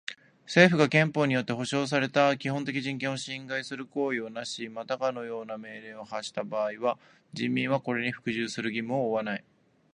政府が憲法によって保障された基本的人権を侵害する行為をなし、またかような命令を発した場合は人民はこれに服従する義務を負わない。